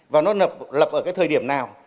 và nó lập ở thời điểm này